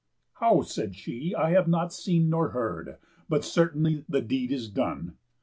"How," said she, "I have not seen nor heard; but certainly The deed is done.